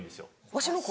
わしの声？